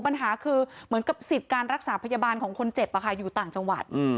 ปัญหาคือเหมือนกับสิทธิ์การรักษาพยาบาลของคนเจ็บอยู่ต่างจังหวัด